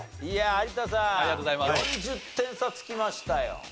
いや有田さん４０点差つきましたよ。